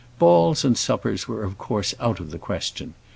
Balls and suppers were of course out of the question.